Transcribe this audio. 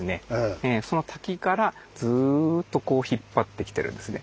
その滝からずっとこう引っ張ってきてるんですね。